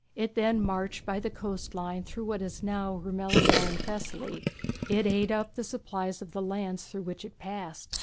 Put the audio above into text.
Then it marched by the coast line through what is now Roumelia and Thessaly. It ate up the supplies of the lands through which it passed.